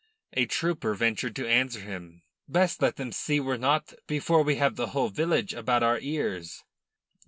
A trooper ventured to answer him. "Best let them see we're not before we have the whole village about our ears."